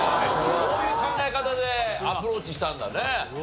そういう考え方でアプローチしたんだね。